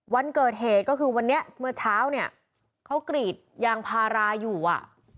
วันเกิดเหตุก็คือวันนี้เมื่อเช้าเนี่ยเขากรีดยางพาราอยู่อ่ะ